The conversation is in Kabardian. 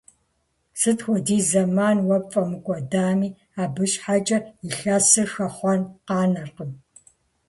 Сыт хуэдиз зэман уэ пфӀэмыкӀуэдами, абы щхьэкӀэ илъэсыр хэхъуэн къанэркъым.